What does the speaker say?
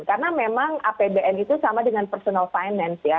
karena memang apbn itu sama dengan personal finance ya